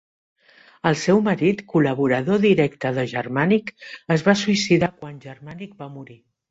El seu marit, col·laborador directe de Germànic, es va suïcidar quan Germànic va morir.